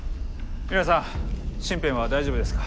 皆さん身辺は大丈夫ですか？